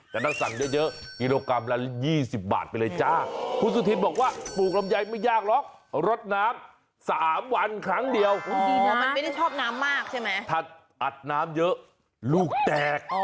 แต่ถ้าสั่งเยอะกิโลกรัมละ๒๐บาทไปเลยจ้า